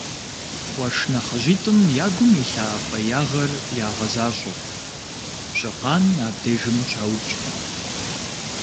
Къуэш нэхъыжьитӀым я гум илъа фӀеягъэр ягъэзащӀэ: Пщыкъан абдежым щаукӀ.